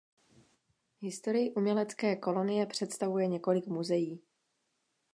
Historii umělecké kolonie představuje několik muzeí.